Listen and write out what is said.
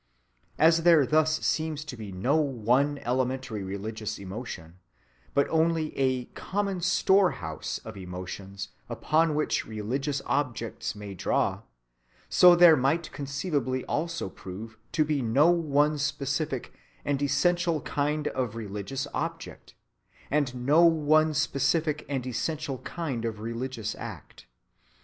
As there thus seems to be no one elementary religious emotion, but only a common storehouse of emotions upon which religious objects may draw, so there might conceivably also prove to be no one specific and essential kind of religious object, and no one specific and essential kind of religious act.